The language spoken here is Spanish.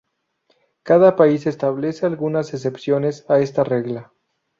Cada país establece algunas excepciones a esta regla.